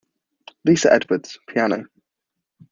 Lisa Edwards, piano.